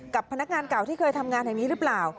กับพนักงานเก่าที่เคยทำงานแห่งนี้หรือเปล่า